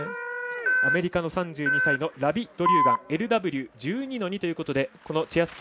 アメリカの３２歳のラビ・ドリューガンＬＷ１２‐２ということでこのチェア